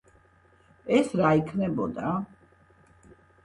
ეს რა იქნებოდა?